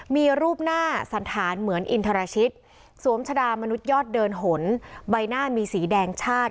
มีรูปหน้าสันธารเหมือนอินทรชิตสวมชะดามนุษยอดเดินหนใบหน้ามีสีแดงชาติ